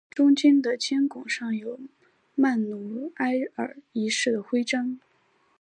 中间的拱肩上有曼努埃尔一世的徽章。